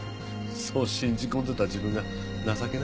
そう信じ込んでた自分が情けないです。